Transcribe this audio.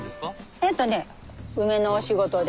えとね梅のお仕事で。